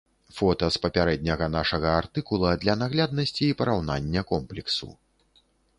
Фота з папярэдняга нашага артыкула для нагляднасці і параўнання комплексу.